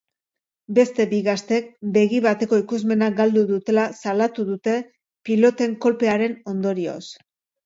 Beste bi gaztek begi bateko ikusmena galdu dutela salatu dute piloten kolpearen ondorioz.